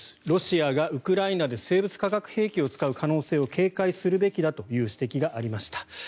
ロシアがウクライナで生物・化学兵器を使う可能性を警戒するべきだという指摘がありました。